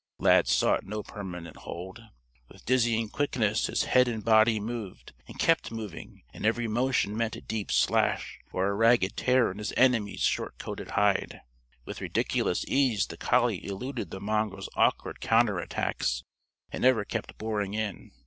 Lad sought no permanent hold. With dizzying quickness his head and body moved and kept moving, and every motion meant a deep slash or a ragged tear in his enemy's short coated hide. With ridiculous ease the collie eluded the mongrel's awkward counter attacks, and ever kept boring in.